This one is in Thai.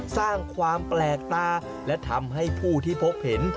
สร้างความแปลกตาและทำให้ผู้ที่พบเห็น